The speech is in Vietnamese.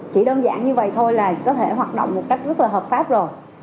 chỉ đơn giản như vậy thôi là có thể hoạt động một cách rất là hợp pháp rồi